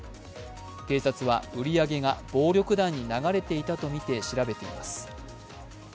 警察は売り上げが暴力団に流れていたとみて調べています。